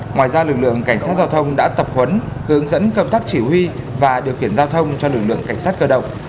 ngoài ra lực lượng cảnh sát giao thông đã tập huấn hướng dẫn công tác chỉ huy và được hướng dẫn